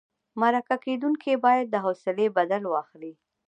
مرکه کېدونکی باید د حوصلې بدل واخلي.